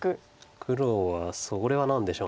黒はそれは何でしょう。